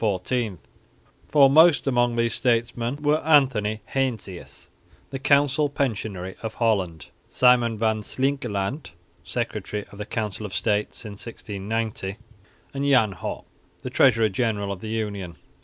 Foremost among these statesmen were Antony Heinsius, the council pensionary of Holland, Simon van Slingelandt, secretary of the Council of State since 1690, and Jan Hop, the treasurer general of the Union.